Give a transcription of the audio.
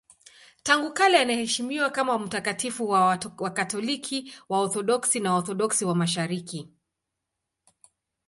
Tangu kale anaheshimiwa kama mtakatifu na Wakatoliki, Waorthodoksi na Waorthodoksi wa Mashariki.